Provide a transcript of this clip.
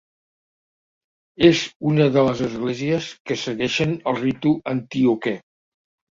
És una de les esglésies que segueixen el ritu antioquè.